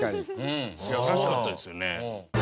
素晴らしかったですよね。